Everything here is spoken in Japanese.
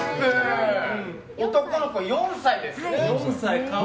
男の子、４歳ですね。